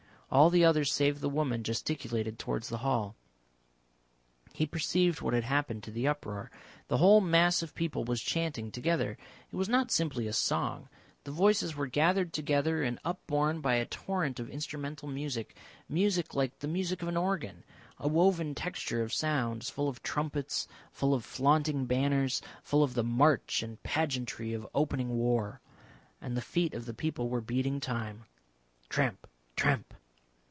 All the others save the woman gesticulated towards the hall. He perceived what had happened to the uproar. The whole mass of people was chanting together. It was not simply a song, the voices were gathered together and upborne by a torrent of instrumental music, music like the music of an organ, a woven texture of sounds, full of trumpets, full of flaunting banners, full of the march and pageantry of opening war. And the feet of the people were beating time tramp, tramp.